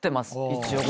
一応。